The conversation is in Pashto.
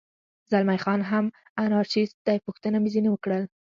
زلمی خان هم انارشیست دی، پوښتنه مې ځنې وکړل.